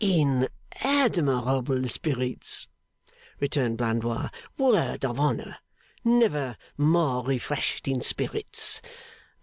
'In admirable spirits,' returned Blandois. 'Word of honour! never more refreshed in spirits.